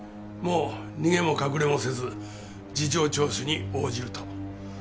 もう逃げも隠れもせず事情聴取に応じると。